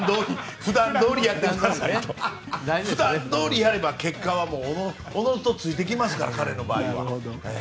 普段どおりやれば結果はおのずとついてきますから彼の場合は。